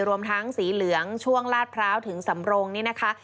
รวมทั้งสีเหลืองช่วงลาดพร้าวถึงสำรงนี่นะคะ